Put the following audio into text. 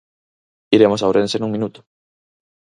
Iremos a Ourense nun minuto.